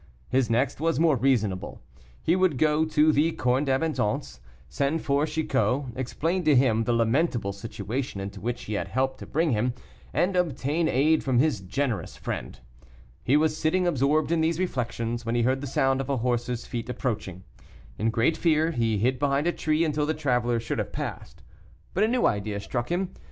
His next was more reasonable. He would go to the Corne d'Abondance, send for Chicot, explain to him the lamentable situation into which he had helped to bring him, and obtain aid from this generous friend. He was sitting absorbed in these reflections, when he heard the sound of a horse's feet approaching. In great fear, he hid behind a tree until the traveler should have passed; but a new idea struck him.